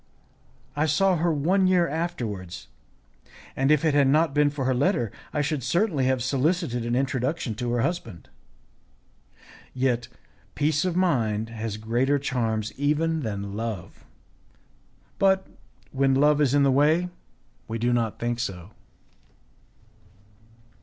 I saw her one year afterwards, and if it had not been for her letter, I should certainly have solicited an introduction to her husband. Yet, peace of mind has greater charms even than love; but, when love is in the way, we do not think so.